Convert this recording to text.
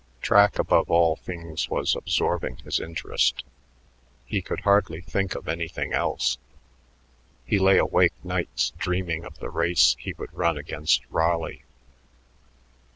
Track above all things was absorbing his interest. He could hardly think of anything else. He lay awake nights dreaming of the race he would run against Raleigh.